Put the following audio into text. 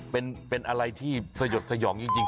เป็นอะไรที่สยดสยองจริงคุณพ่อ